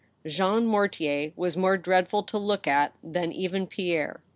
Jean Mortier was more dreadful to look at than even Pierre.